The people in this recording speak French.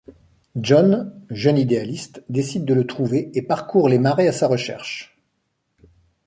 John, jeune idéaliste, décide de le trouver et parcourt les marais à sa recherche.